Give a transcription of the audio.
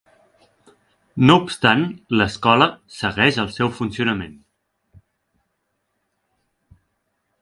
No obstant l'escola segueix el seu funcionament.